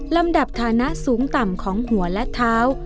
ลำดับฐานะสูงต่ำของหัวและเท้า